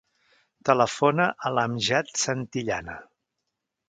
Telefona a l'Amjad Santillana.